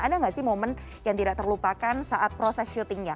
ada nggak sih momen yang tidak terlupakan saat proses syutingnya